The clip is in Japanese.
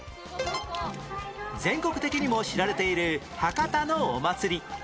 全国的にも知られている博多のお祭り